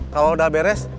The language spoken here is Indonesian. kalau udah beres